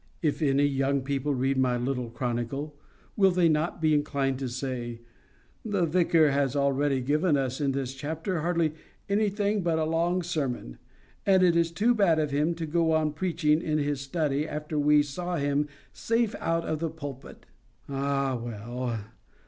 If any young people read my little chronicle, will they not be inclined to say, "The vicar has already given us in this chapter hardly anything but a long sermon; and it is too bad of him to go on preaching in his study after we saw him safe out of the pulpit"? Ah, well!